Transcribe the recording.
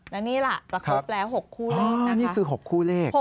แล้วนี่ล่ะจะครบแล้ว๖คู่เลขและนี่คือ๖คู่เลข